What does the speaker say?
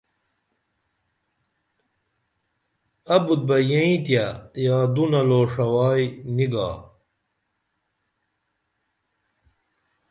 ابُت بہ ییں تیہ یادونہ لوݜوائی نی گا